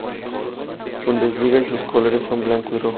Bundesliga y sus colores son blanco y rojo.